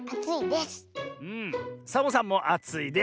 サボさんもあついです。